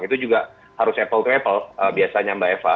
itu juga harus apple to apple biasanya mbak eva